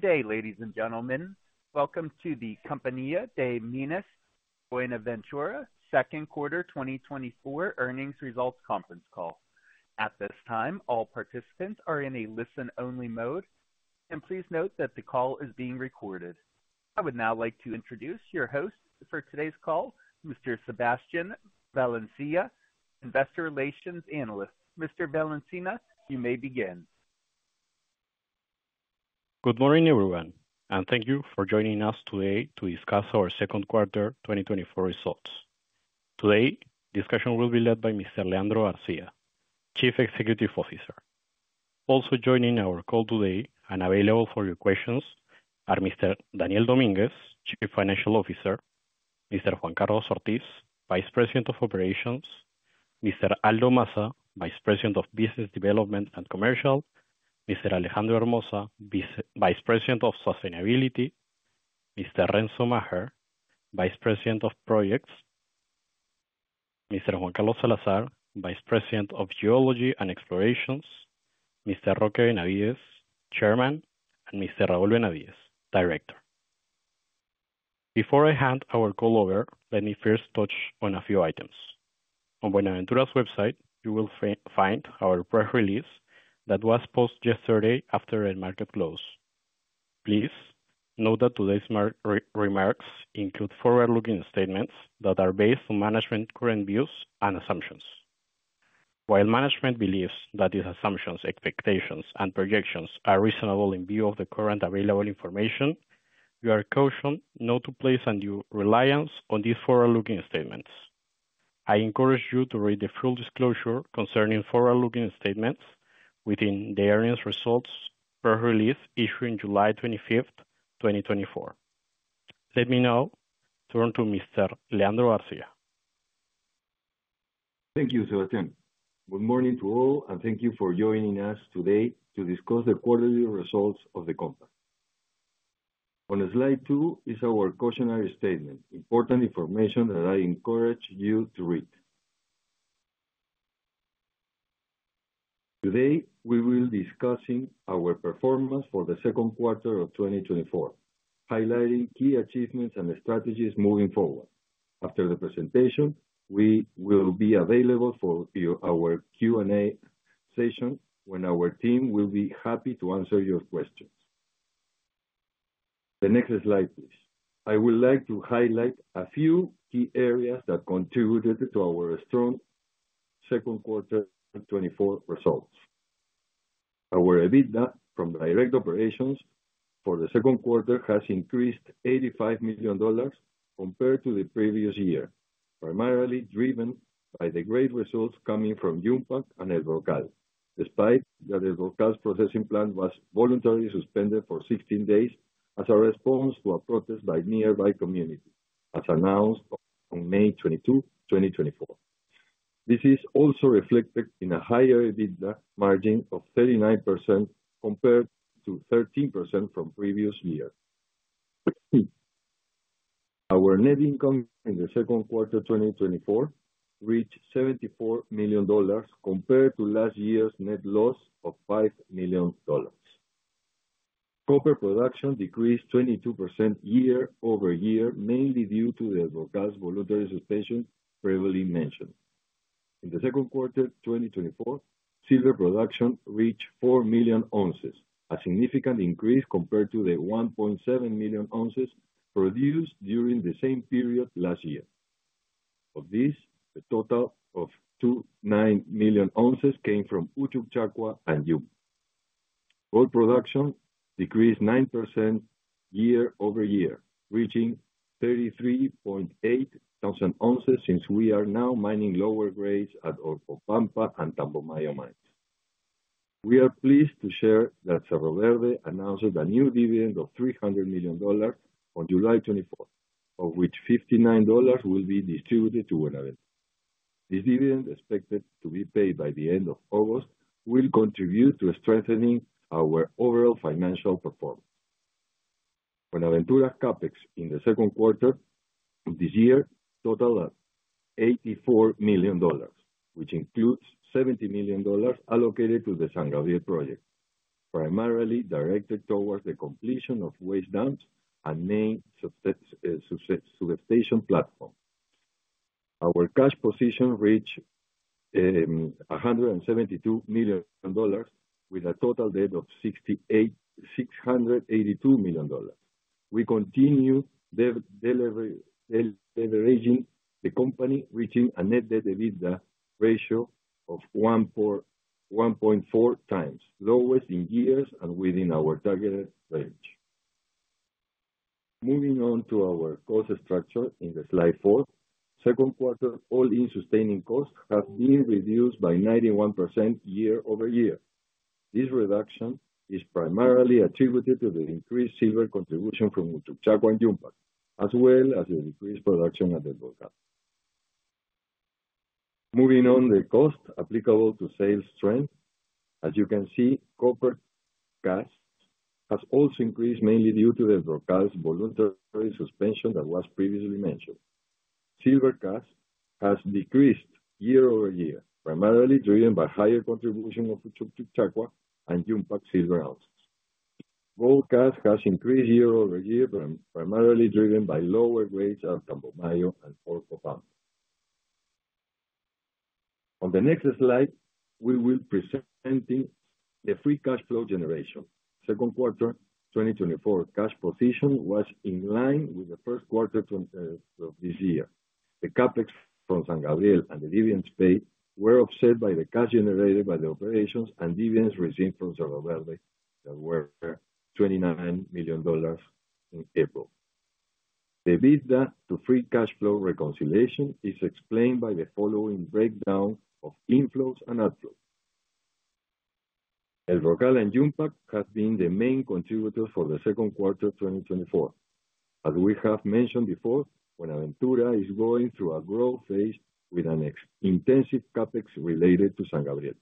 Good day, ladies and gentlemen. Welcome to the Compañía de Minas Buenaventura Second Quarter 2024 earnings results conference call. At this time, all participants are in a listen-only mode, and please note that the call is being recorded. I would now like to introduce your host for today's call, Mr. Sebastián Valencia, Investor Relations Analyst. Mr. Valencia, you may begin. Good morning, everyone, and thank you for joining us today to discuss our second quarter 2024 results. Today's discussion will be led by Mr. Leandro García, Chief Executive Officer. Also joining our call today and available for your questions are Mr. Daniel Domínguez, Chief Financial Officer; Mr. Juan Carlos Ortiz, Vice President of Operations; Mr. Aldo Massa, Vice President of Business Development and Commercial; Mr. Alejandro Hermoza, Vice President of Sustainability; Mr. Renzo Macher, Vice President of Projects; Mr. Juan Carlos Salazar, Vice President of Geology and Explorations; Mr. Roque Benavides, Chairman; and Mr. Raúl Benavides, Director. Before I hand our call over, let me first touch on a few items. On Buenaventura's website, you will find our press release that was posted yesterday after the market close. Please note that today's remarks include forward-looking statements that are based on management's current views and assumptions. While management believes that these assumptions, expectations, and projections are reasonable in view of the current available information, we are cautioned not to place any reliance on these forward-looking statements. I encourage you to read the full disclosure concerning forward-looking statements within the earnings results press release issued on July 25th, 2024. Let me now turn to Mr. Leandro García. Thank you, Sebastián. Good morning to all, and thank you for joining us today to discuss the quarterly results of the company. On slide 2 is our cautionary statement, important information that I encourage you to read. Today, we will be discussing our performance for the second quarter of 2024, highlighting key achievements and strategies moving forward. After the presentation, we will be available for our Q&A session when our team will be happy to answer your questions. The next slide, please. I would like to highlight a few key areas that contributed to our strong second quarter 2024 results. Our EBITDA from direct operations for the second quarter has increased $85 million compared to the previous year, primarily driven by the great results coming from Yumpag and El Brocal, despite that El Brocal's processing plant was voluntarily suspended for 16 days as a response to a protest by nearby communities, as announced on May 22, 2024. This is also reflected in a higher EBITDA margin of 39% compared to 13% from the previous year. Our net income in the second quarter 2024 reached $74 million compared to last year's net loss of $5 million. Copper production decreased 22% year-over-year, mainly due to the El Brocal's voluntary suspension previously mentioned. In the second quarter 2024, silver production reached 4 million ounces, a significant increase compared to the 1.7 million ounces produced during the same period last year. Of this, a total of 29 million ounces came from Uchucchacua and Yumpag. Gold production decreased 9% year-over-year, reaching 33.8 thousand ounces since we are now mining lower grades at Orcopampa and Tambomayo mines. We are pleased to share that Cerro Verde announced a new dividend of $300 million on July 24th, of which $59 million will be distributed to Buenaventura. This dividend, expected to be paid by the end of August, will contribute to strengthening our overall financial performance. Buenaventura's CAPEX in the second quarter of this year totaled $84 million, which includes $70 million allocated to the San Gabriel project, primarily directed towards the completion of waste dams and main substation platform. Our cash position reached $172 million, with a total debt of $682 million. We continue leveraging the company, reaching a net debt/EBITDA ratio of 1.4x, lowest in years and within our targeted range. Moving on to our cost structure in Slide 4, second quarter all-in sustaining costs have been reduced by 91% year-over-year. This reduction is primarily attributed to the increased silver contribution from Uchucchacua and Yumpag, as well as the decreased production at El Brocal. Moving on, the cost applicable to sales trend, as you can see, copper costs have also increased mainly due to El Brocal's voluntary suspension that was previously mentioned. Silver costs have decreased year-over-year, primarily driven by higher contribution of Uchucchacua and Yumpag silver ounces. Gold costs have increased year-over-year, primarily driven by lower grades at Tambomayo and Orcopampa. On the next slide, we will be presenting the free cash flow generation. Second quarter 2024 cash position was in line with the first quarter of this year. The CAPEX from San Gabriel and the dividends paid were offset by the cash generated by the operations and dividends received from Cerro Verde that were $29 million in April. The EBITDA to free cash flow reconciliation is explained by the following breakdown of inflows and outflows. El Brocal and Yumpag have been the main contributors for the second quarter 2024. As we have mentioned before, Buenaventura is going through a growth phase with an intensive CAPEX related to San Gabriel.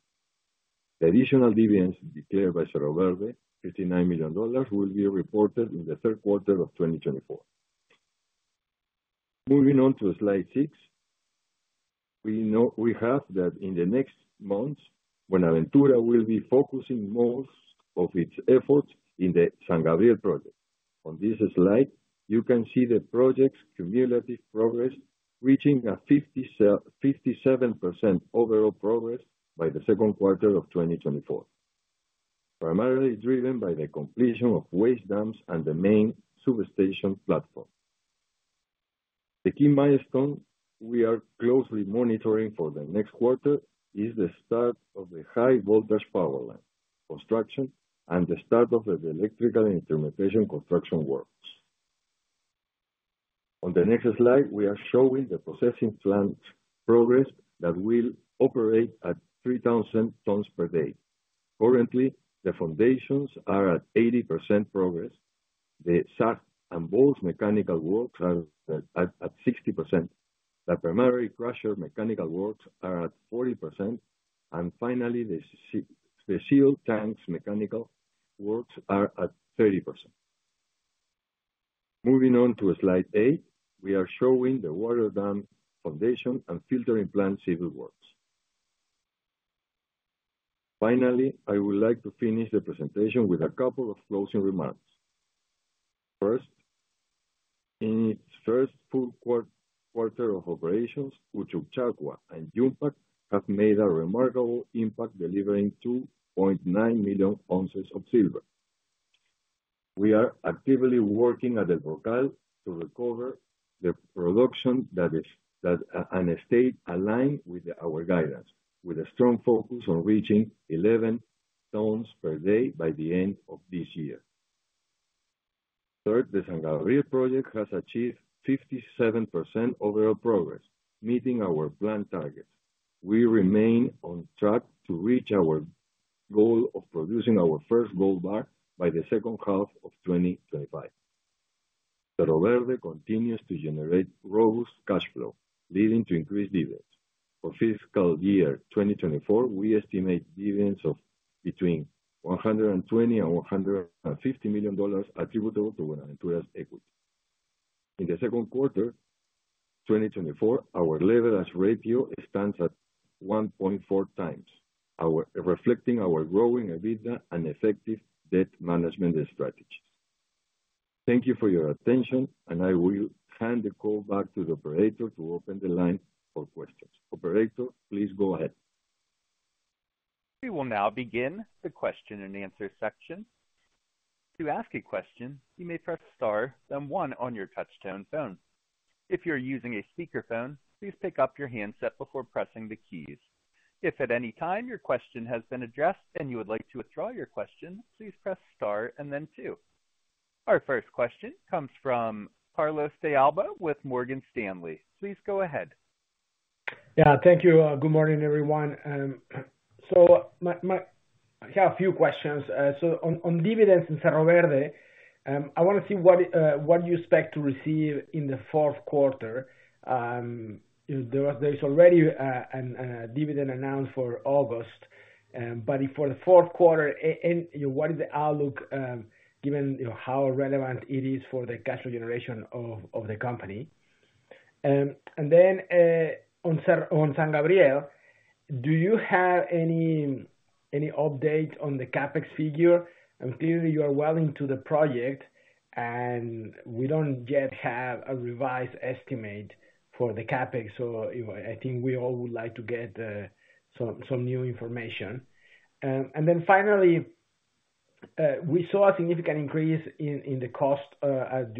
The additional dividends declared by Cerro Verde, $59 million, will be reported in the third quarter of 2024. Moving on to slide six, we have that in the next months, Buenaventura will be focusing most of its efforts in the San Gabriel project. On this slide, you can see the project's cumulative progress reaching a 57% overall progress by the second quarter of 2024, primarily driven by the completion of waste dams and the main substation platform. The key milestone we are closely monitoring for the next quarter is the start of the high-voltage power line construction and the start of the electrical and instrumentation construction works. On the next slide, we are showing the processing plant's progress that will operate at 3,000 per day. Currently, the foundations are at 80% progress. The SAG and ball mechanical works are at 60%. The primary crusher mechanical works are at 40%. Finally, the CIL tanks mechanical works are at 30%. Moving on to slide 8, we are showing the water dam foundation and filtering plant civil works. Finally, I would like to finish the presentation with a couple of closing remarks. First, in its first full quarter of operations, Uchucchacua and Yumpag have made a remarkable impact delivering 2.9 million ounces of silver. We are actively working at El Brocal to recover the production that is in a state aligned with our guidance, with a strong focus on reaching 11 tons per day by the end of this year. Third, the San Gabriel project has achieved 57% overall progress, meeting our planned targets. We remain on track to reach our goal of producing our first gold bar by the second half of 2025. Cerro Verde continues to generate robust cash flow, leading to increased dividends. For fiscal year 2024, we estimate dividends of between $120million-$150 million attributable to Buenaventura's equity. In the second quarter 2024, our leverage ratio stands at 1.4 times, reflecting our growing EBITDA and effective debt management strategies. Thank you for your attention, and I will hand the call back to the operator to open the line for questions. Operator, please go ahead. We will now begin the question and answer section. To ask a question, you may press star then one on your touch-tone phone. If you're using a speakerphone, please pick up your handset before pressing the keys. If at any time your question has been addressed and you would like to withdraw your question, please press star and then two. Our first question comes from Carlos de Alba with Morgan Stanley. Please go ahead. Yeah, thank you. Good morning, everyone. So I have a few questions. So on dividends in Cerro Verde, I want to see what you expect to receive in the fourth quarter. There is already a dividend announced for August, but for the fourth quarter, what is the outlook given how relevant it is for the cash generation of the company? And then on San Gabriel, do you have any updates on the CAPEX figure? Clearly, you are well into the project, and we don't yet have a revised estimate for the CAPEX, so I think we all would like to get some new information. And then finally, we saw a significant increase in the cost at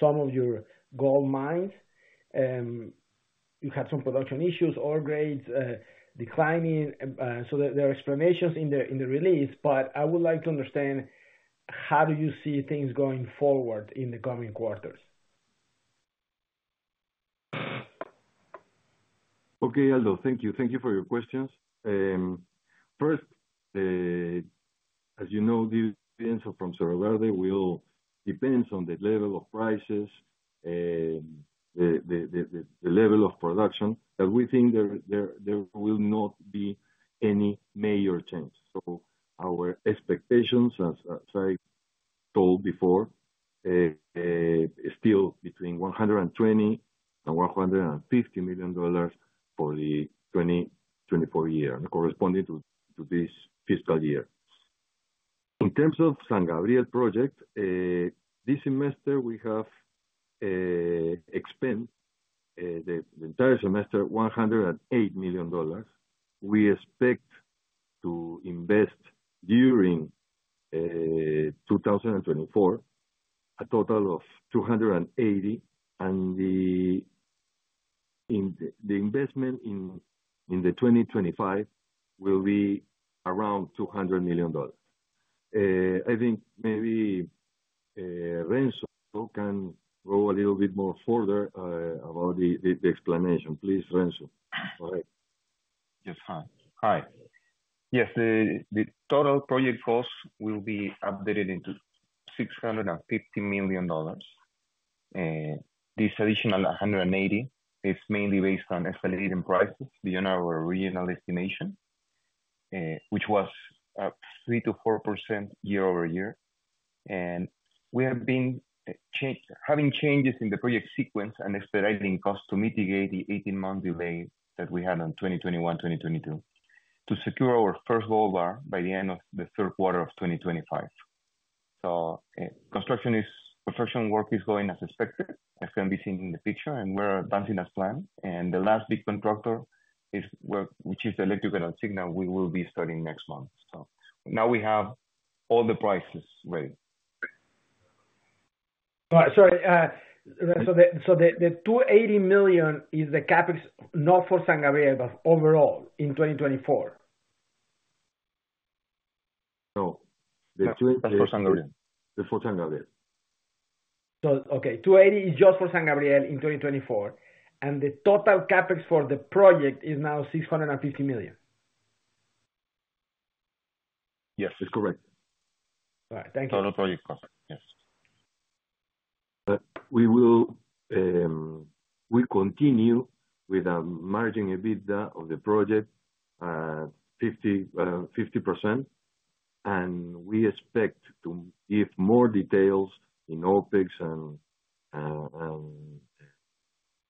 some of your gold mines. You had some production issues, ore grades declining. There are explanations in the release, but I would like to understand how do you see things going forward in the coming quarters? Okay, Aldo, thank you. Thank you for your questions. First, as you know, dividends from Cerro Verde will depend on the level of prices, the level of production, but we think there will not be any major change. So our expectations, as I told before, are still between $120million and $150 million for the 2024 year, corresponding to this fiscal year. In terms of the San Gabriel project, this semester we have expensed the entire semester $108 million. We expect to invest during 2024 a total of $280 million, and the investment in 2025 will be around $200 million. I think maybe Renzo can go a little bit more further about the explanation. Please, Renzo. Go ahead. Yes, hi. Hi. Yes, the total project cost will be updated to $650 million. This additional $180 million is mainly based on expediting prices beyond our original estimation, which was 3%-4% year-over-year. We have been having changes in the project sequence and expediting costs to mitigate the 18-month delay that we had in 2021, 2022, to secure our first gold bar by the end of the third quarter of 2025. Construction work is going as expected, as can be seen in the picture, and we're advancing as planned. The last big contractor, which is the electrical C&I, we will be starting next month. Now we have all the prices ready. Sorry. So the $280 million is the CAPEX, not for San Gabriel, but overall in 2024? No, the $280 is for San Gabriel. Okay. $280 is just for San Gabriel in 2024, and the total CAPEX for the project is now $650 million. Yes, that's correct. All right. Thank you. Total project cost, yes. We will continue with a margin EBITDA of the project at 50%, and we expect to give more details in OpEx and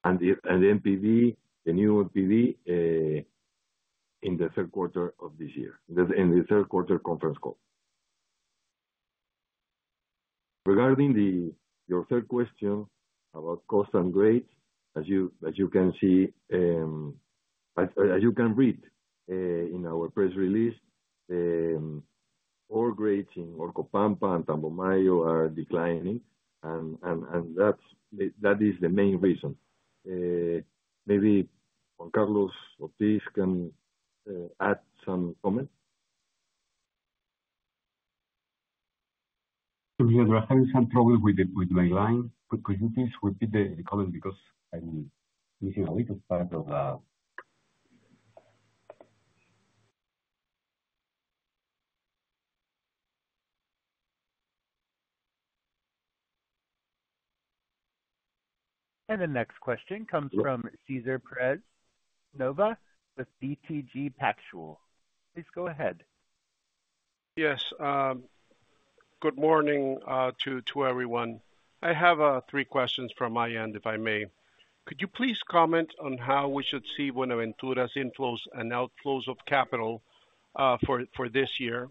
the new NPV in the third quarter of this year, in the third quarter conference call. Regarding your third question about cost and grades, as you can see, as you can read in our press release, ore grades in Orcopampa and Tambomayo are declining, and that is the main reason. Maybe Juan Carlos Ortiz can add some comments. Leandro, I'm having some trouble with my line. Could you please repeat the comment because I'm missing a little part of the... The next question comes from César Pérez-Novoa with BTG Pactual. Please go ahead. Yes. Good morning to everyone. I have three questions from my end, if I may. Could you please comment on how we should see Buenaventura's inflows and outflows of capital for this year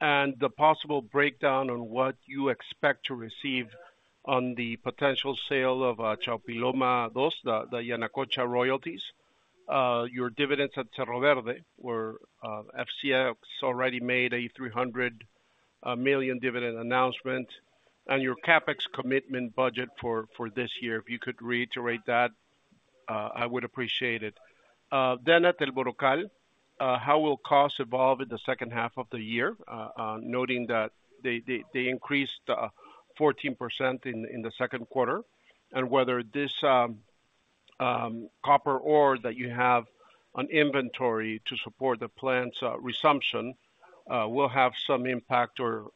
and the possible breakdown on what you expect to receive on the potential sale of Chaupiloma II, the Yanacocha royalties? Your dividends at Cerro Verde, where FCX already made a $300 million dividend announcement, and your CAPEX commitment budget for this year, if you could reiterate that, I would appreciate it. Then, at El Brocal, how will costs evolve in the second half of the year, noting that they increased 14% in the second quarter, and whether this copper ore that you have on inventory to support the plant's resumption will have some impact or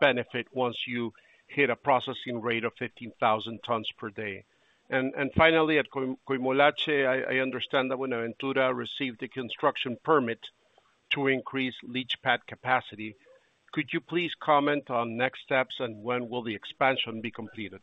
benefit once you hit a processing rate of 15,000 tons per day? And finally, at Coimolache, I understand that Buenaventura received the construction permit to increase leach pad capacity. Could you please comment on next steps and when will the expansion be completed?